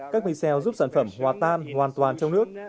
các video giúp sản phẩm hòa tan hoàn toàn trong nước